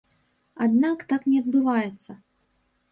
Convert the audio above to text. Аднак так не адбываецца.